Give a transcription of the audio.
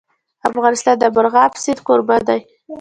افغانستان د مورغاب سیند کوربه دی.